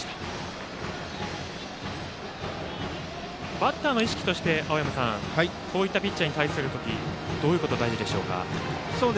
バッターの意識としてこういったピッチャーに対する時はどういうことが大事でしょうか。